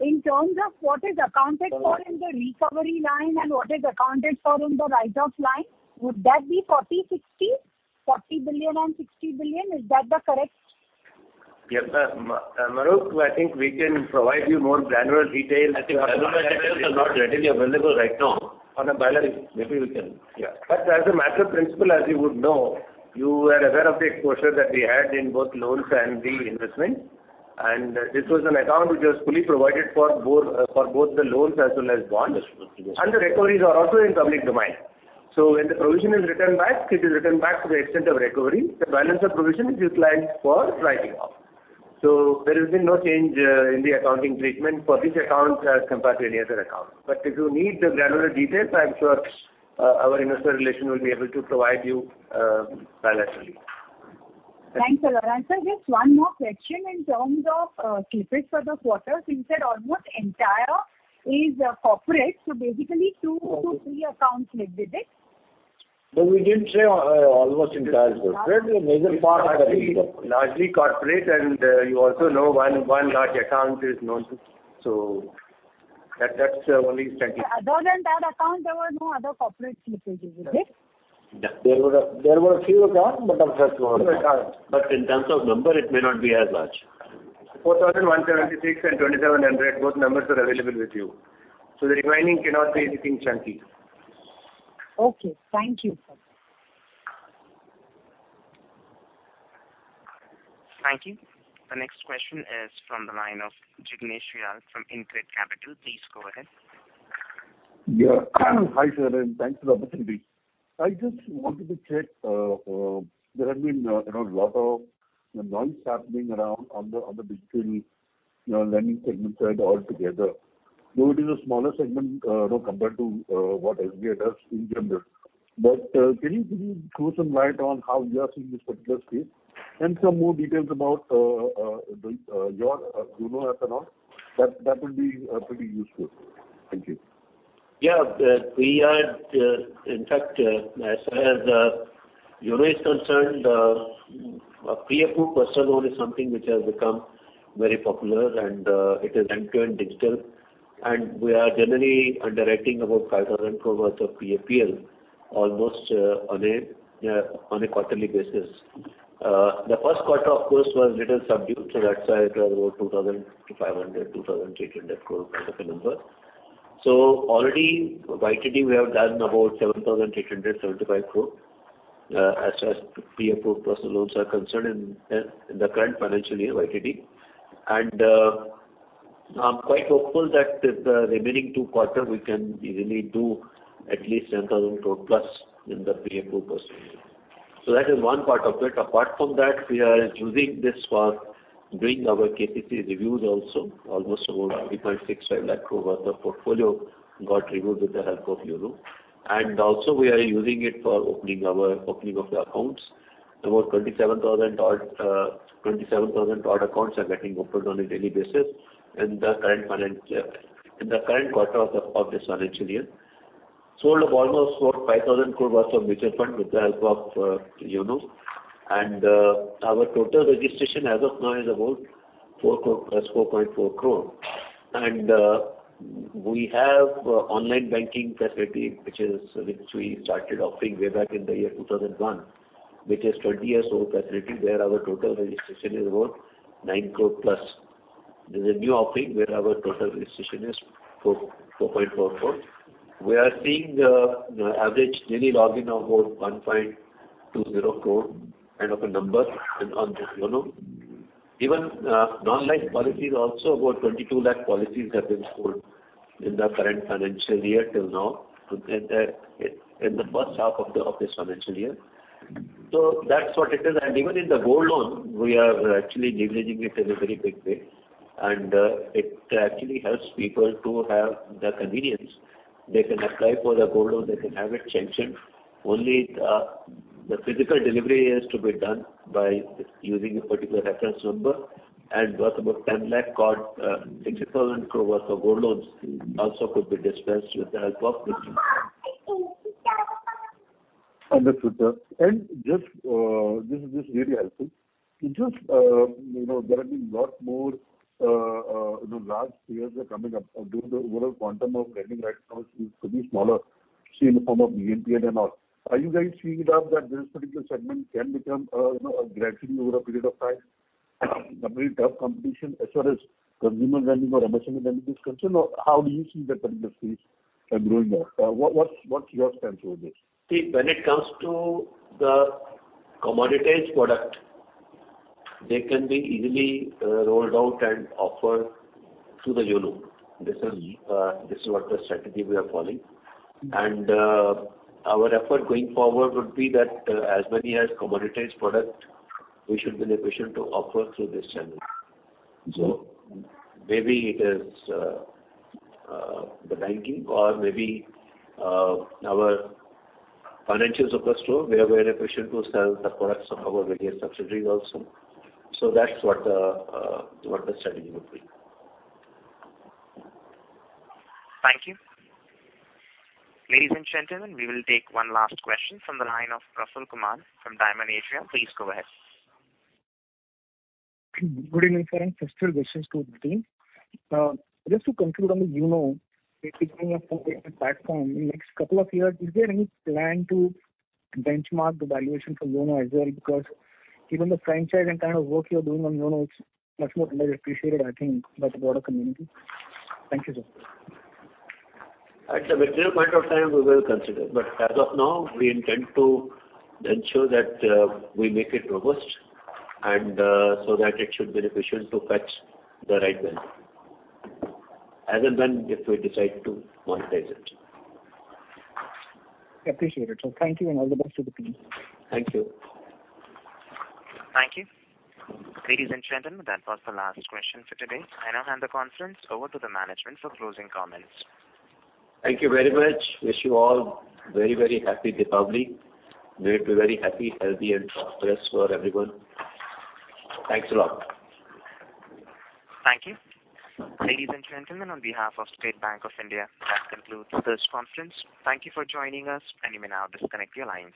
In terms of what is accounted for in the recovery line and what is accounted for in the write-off line, would that be 40-60? 40 billion and 60 billion, is that correct? Yes, Mahrukh, I think we can provide you more granular details. I think granular details are not readily available right now. On a bilateral basis, maybe we can. Yeah. As a matter of principle, as you would know, you were aware of the exposure that we had in both loans and the investment and this was an account which was fully provided for both the loans as well as bonds and the recoveries are also in public domain. When the provision is written back, it is written back to the extent of recovery. The balance of provision is utilized for writing off. There has been no change in the accounting treatment for this account as compared to any other account. If you need the granular details, I'm sure our investor relations will be able to provide you bilaterally. Thanks a lot. Sir, just one more question in terms of slippage for this quarter since that almost entire is corporate. Basically two to three accounts made this. No, we didn't say almost entire corporate. The major part are the corporate. Largely corporate and you also know one large account is known to. That's only 20. Other than that account there were no other corporate slippages. Is it? No. There were a few accounts but of much lower amount. In terms of number it may not be as large. 4,176 and 2,700, both numbers are available with you. The remaining cannot be anything chunky. Okay. Thank you. Thank you. The next question is from the line of Jignesh Shial from InCred Capital. Please go ahead. Yeah. Hi, sir, and thanks for the opportunity. I just wanted to check, there have been, you know, lot of noise happening around on the, on the digital, you know, lending segment side altogether, though it is a smaller segment, you know, compared to, what HDFC does in general. Can you please throw some light on how you are seeing this particular space and some more details about the your Yono app and all. That would be pretty useful. Thank you. Yeah. We are, in fact, as far as Yono is concerned, a pre-approved personal loan is something which has become very popular and it is end-to-end digital and we are generally underwriting about 5,000 crore worth of PAPL almost on a quarterly basis. The first quarter of course was little subdued, so that's why it was about 2,500-2,800 crore type of a number. Already YTD we have done about 7,875 crore as far as pre-approved personal loans are concerned in the current financial year YTD and I'm quite hopeful that the remaining two quarter we can easily do at least 10,000 crore plus in the premium book business. That is one part of it. Apart from that, we are using this for doing our KYC reviews also. Almost 3.65 lakh crore worth of portfolio got reviewed with the help of Yono. We are using it for opening of the accounts. About 27,000 odd accounts are getting opened on a daily basis in the current quarter of this financial year. Sold almost 4,000-5,000 crore worth of mutual fund with the help of Yono. Our total registration as of now is about 4.4 crore plus. We have online banking facility, which we started offering way back in the year 2001, which is 20 years old facility, where our total registration is about 9 crore plus. This is a new offering where our total registration is 4.4 crore. We are seeing average daily login of about 1.20 crore kind of a number on Yono. Even non-life policies also, about 22 lakh policies have been sold in the current financial year till now, in the first half of this financial year. That's what it is. Even in the gold loan, we are actually leveraging it in a very big way, and it actually helps people to have the convenience. They can apply for the gold loan, they can have it sanctioned. Only the physical delivery is to be done by using a particular reference number. Worth about 60,000 crore worth of gold loans also could be disbursed with the help of Yono. Understood, sir. Just, this is just really helpful. Just, you know, there have been lot more, you know, large players are coming up. Although the overall quantum of lending right now is pretty smaller, say, in the form of BNPL and all. Are you guys seeing that this particular segment can become, you know, gradually over a period of time, a very tough competition as far as consumer lending or MSME lending is concerned? Or how do you see that industry is growing there? What's your sense over this? See, when it comes to the commoditized product, they can be easily rolled out and offered through the Yono. This is what the strategy we are following. Our effort going forward would be that, as many as commoditized product, we should be in a position to offer through this channel. Maybe it is the banking or maybe our financial super store, we are very efficient to sell the products of our various subsidiaries also. That's what the strategy would be. Thank you. Ladies and gentlemen, we will take one last question from the line of Rahul Kumar from Diamond Asia. Please go ahead. Good evening, sir, and festival wishes to the team. Just to conclude on the Yono, it is becoming a full-fledged platform. In next couple of years, is there any plan to benchmark the valuation for Yono as well? Because given the franchise and kind of work you're doing on Yono, it's much more underappreciated, I think, by the broader community. Thank you, sir. At a material point of time, we will consider. As of now, we intend to ensure that we make it robust and so that it should be efficient to fetch the right value, as and when if we decide to monetize it. Appreciate it. Thank you, and all the best to the team. Thank you. Thank you. Ladies and gentlemen, that was the last question for today. I now hand the conference over to the management for closing comments. Thank you very much. Wish you all very, very Happy Deepavali. May it be very happy, healthy and prosperous for everyone. Thanks a lot. Thank you. Ladies and gentlemen, on behalf of State Bank of India, that concludes this conference. Thank you for joining us, and you may now disconnect your lines.